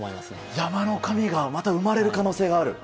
山の神がまた生まれる可能性がある。